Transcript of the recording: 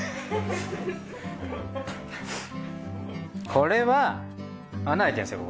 これは穴開いてるんですよ